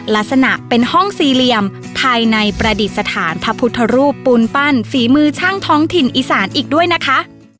ลักษณะเป็นห้องสี่เหลี่ยมภายในประดิษฐานพระพุทธรูปปูนปั้นฝีมือช่างท้องถิ่นอีสานอีกด้วยนะคะ